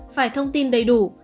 phải thông tin đầy đủ